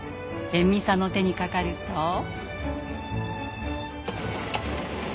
延味さんの手にかかると。